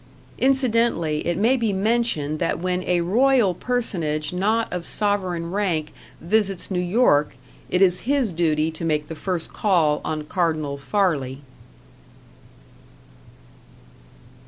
Incidentally, it may be mentioned that when a royal personage not of sovereign rank visits New York it is his duty to make the first call on Cardinal Farley.